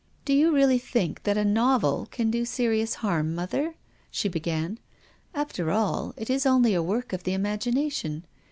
" Do you really think that a novel can do serious harm, mother?" she began. " After all, it is only a work of the imagination.